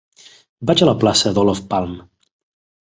Vaig a la plaça d'Olof Palme.